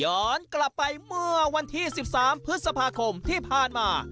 กลับไปเมื่อวันที่๑๓พฤษภาคมที่ผ่านมา